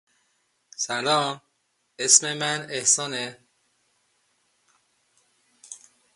Hajee Ahmed assisted Gandhi in setting up the South African Indian Congress.